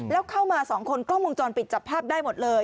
แล้วเข้ามาสองคนกล้องวงจรปิดจับภาพได้หมดเลย